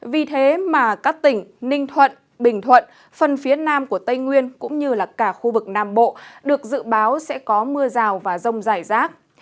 vì thế mà các tỉnh ninh thuận bình thuận phần phía nam của tây nguyên cũng như là cả khu vực nam bộ được dự báo sẽ có mưa rào và rông dài rác